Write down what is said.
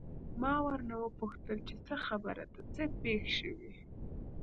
ما ورنه وپوښتل چې څه خبره ده، څه پېښ شوي؟